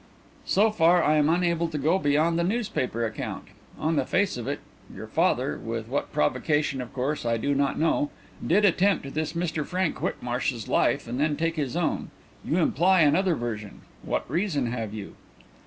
"So far I am unable to go beyond the newspaper account. On the face of it, your father with what provocation of course I do not know did attempt this Mr Frank Whitmarsh's life and then take his own. You imply another version. What reason have you?"